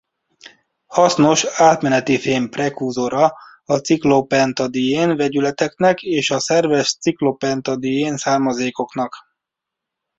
Hasznos átmenetifém-prekuzora a ciklopentadién-vegyületeknek és a szerves ciklopentadién-származékoknak.